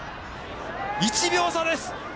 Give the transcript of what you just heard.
１秒差です。